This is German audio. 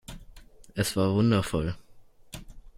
Es war wundervoll.